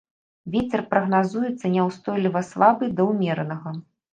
Вецер прагназуецца няўстойлівы слабы да ўмеранага.